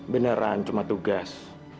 beneran cuma tugas